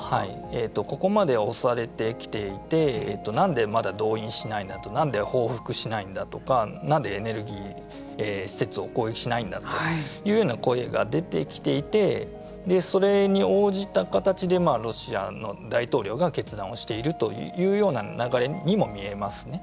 ここまで押されてきていてなんでまだ動員しないんだとなんで報復しないんだとかなんでエネルギー施設を攻撃しないんだというような声が出てきていてそれに応じた形でロシアの大統領が決断をしているというような流れにも見えますね。